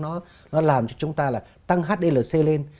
nó làm cho chúng ta tăng hdlc lên